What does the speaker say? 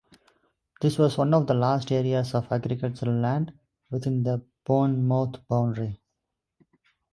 This was one of the last areas of agricultural land within the Bournemouth boundary.